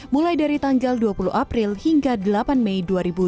mulai dari tanggal dua puluh april hingga delapan mei dua ribu dua puluh